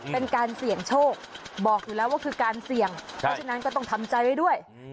เป็นการเสี่ยงโชคบอกอยู่แล้วว่าคือการเสี่ยงเพราะฉะนั้นก็ต้องทำใจไว้ด้วย